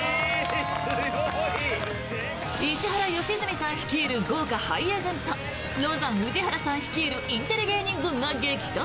石原良純さん率いる豪華俳優陣とロザン・宇治原さん率いるインテリ芸人軍が激突。